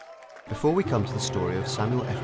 Before we come to the story of Samuel F.